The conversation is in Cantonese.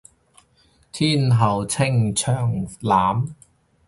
天后清湯腩